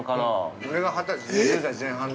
◆俺が２０代前半で。